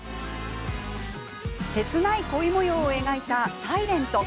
切ない恋もようを描いた「ｓｉｌｅｎｔ」。